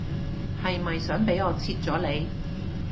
係咪想俾我切咗你